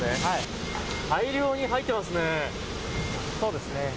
大量に入っていますね。